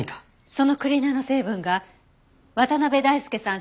そのクリーナーの成分が渡辺大介さん